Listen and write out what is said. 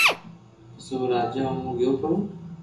پسو او راجا اووہ گيو پرو